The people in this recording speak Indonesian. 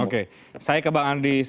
oke saya ke bang andi di sini dulu